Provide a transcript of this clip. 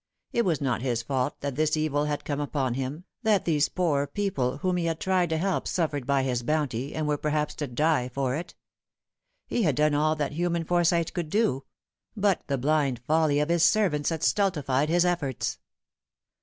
It was not his fault that this evil had come upon him, that these poor people whom he had tried to help suffered by his bounty, and were perhaps to die for it. He had done all that human fore Bight could do ; but the blind folly of his servants had stultified his efforts.